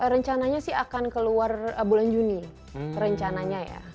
rencananya sih akan keluar bulan juni rencananya ya